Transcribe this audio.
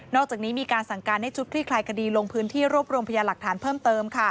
อกจากนี้มีการสั่งการให้ชุดคลี่คลายคดีลงพื้นที่รวบรวมพยาหลักฐานเพิ่มเติม